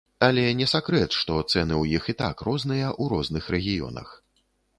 Але не сакрэт, што цэны ў іх і так розныя ў розных рэгіёнах.